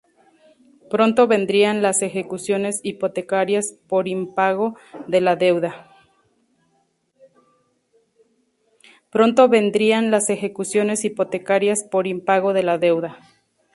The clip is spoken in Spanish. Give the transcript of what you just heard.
Pronto vendrían las ejecuciones hipotecarias por impago de la deuda.